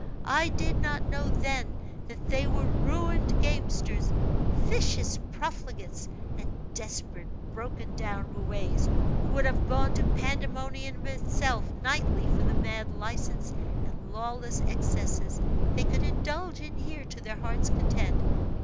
I did not know then that they were ruined gamesters, vicious profligates, and desperate broken down roués, who would have gone to pandemonium itself, nightly, for the mad license and lawless excesses they could indulge in here to their heart's content.